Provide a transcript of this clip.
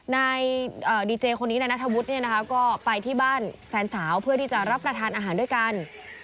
นายดีเจคนนี้นายนัทธวุฒิเนี่ยนะคะก็ไปที่บ้านแฟนสาวเพื่อที่จะรับประทานอาหารด้วยกัน